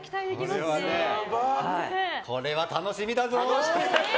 これは楽しみだぞ！